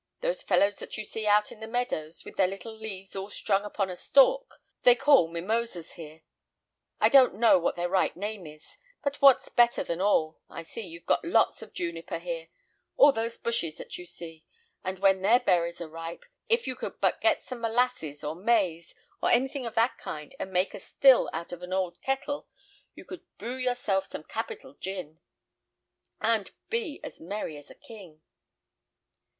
Those fellows that you see out in the meadows, with their little leaves all strung upon a stalk, they call mimosas here I don't know what their right name is; but what's better than all, I see you've got lots of juniper here: all those bushes that you see; and when their berries are ripe, if you could but get some molasses, or maize, or anything of that kind, and make a still out of an old kettle, you could brew yourself some capital gin, and be as merry as a king."